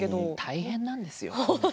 大変なんです。